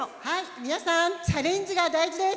皆さん、チャレンジが大事です。